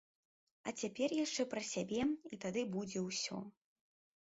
А цяпер яшчэ пра сябе, і тады будзе ўсё.